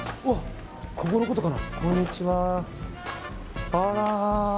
ここのことかな？